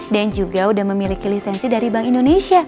dan juga udah memiliki lisensi dari bank indonesia